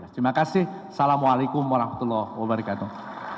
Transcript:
terima kasih assalamualaikum warahmatullahi wabarakatuh